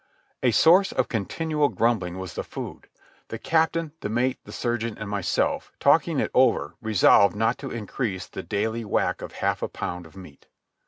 A source of continual grumbling was the food. The captain, the mate, the surgeon, and myself, talking it over, resolved not to increase the daily whack of half a pound of meat.